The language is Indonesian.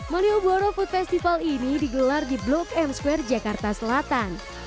malioboro food festival ini digelar di blok m square jakarta selatan